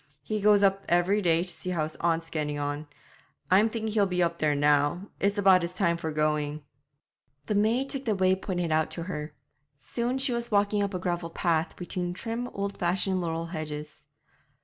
He goes up every day to see how his aunt's getting on. I'm thinking he'll be up there now; it's about his time for going.' The maid took the way pointed out to her. Soon she was walking up a gravel path, between trim, old fashioned laurel hedges.